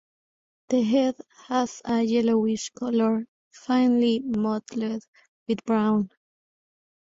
The head has a yellowish colour, finely mottled with brown.